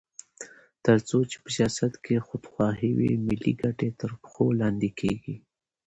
تر څو چې په سیاست کې خودخواهي وي، ملي ګټې تر پښو لاندې کېږي.